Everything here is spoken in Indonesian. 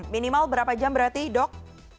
minimal berapa jam berarti dok